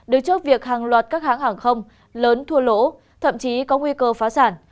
đứng trước việc hàng loạt các hãng hàng không lớn thua lỗ thậm chí có nguy cơ phá sản